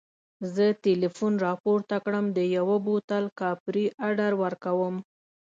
زه ټلیفون راپورته کړم د یوه بوتل کاپري اډر ورکړم.